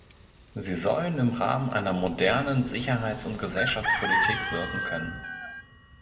Sie sollen im Rahmen einer modernen Sicherheits- und Gesellschaftspolitik wirken können.